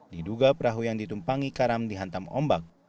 diduga perahu yang ditumpangi karam dihantam ombak